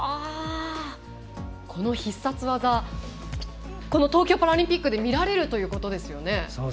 この必殺技東京パラリンピックで見られるということですよね。